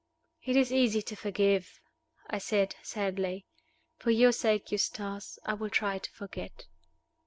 "It is easy to forgive," I said, sadly. "For your sake, Eustace, I will try to forget."